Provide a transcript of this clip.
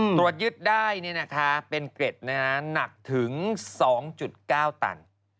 ตรวจยึดได้นี่นะคะเป็นเกร็ดนะหนักถึง๒๙ตัน